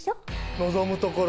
望むところよ。